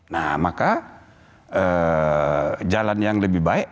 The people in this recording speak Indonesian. nah maka jalan yang lebih baik